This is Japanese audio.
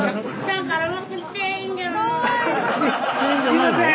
すいません。